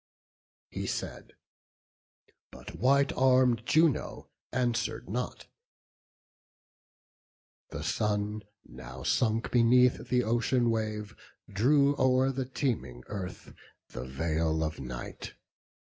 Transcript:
He said, but white arm'd Juno answer'd not. The sun, now sunk beneath the ocean wave, Drew o'er the teeming earth the veil of night.